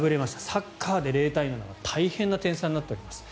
サッカーで０対７は大変な点差になっております。